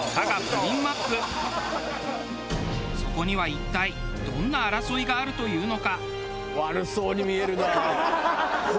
そこには一体どんな争いがあるというのか。